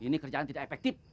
ini kerjaan tidak efektif